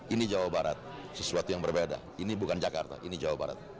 ini jawa barat sesuatu yang berbeda ini bukan jakarta ini jawa barat